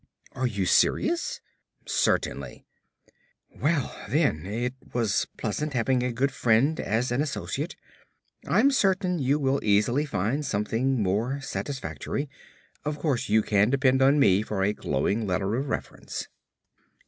"Are you serious?" "Certainly." "Well then, it was pleasant having a good friend as an associate. I'm certain you will easily find something more satisfactory. Of course you can depend on me for a glowing letter of reference."